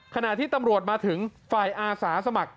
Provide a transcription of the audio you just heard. ขณะที่ตำรวจมาถึงฝ่ายอาสาสมัคร